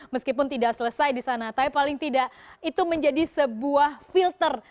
meskipun tidak selesai di sana tapi paling tidak itu menjadi sebuah filter